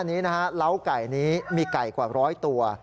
หน้านี้นะฮะล้าวไก่นี้มีไก่กว่า๑๐๐ตัว